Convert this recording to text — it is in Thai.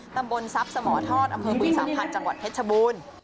ตำบลทรัพย์สมทอดอำเภอบึงสามพันธ์จังหวัดเพชรชบูรณ์